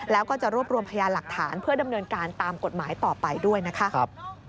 แล้วก็จะรวบรวมพยานหลักฐานเพื่อดำเนินการตามกฎหมายต่อไปด้วยนะคะ